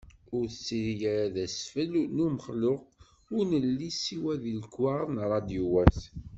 Ur tettili ara d asfel n umexluq-a ur nelli siwa di lekwaɣeḍ d radyuwat.